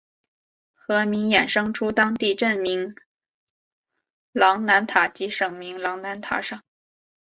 河名衍生出当地镇名琅南塔及省名琅南塔省。